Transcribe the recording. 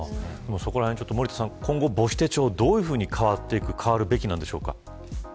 そこのあたり森田さん、今後母子手帳どんなふうに変わるべきなんでしょうか。